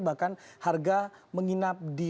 bahkan harga menginap di